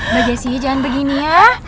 mbak jessi jangan begini ya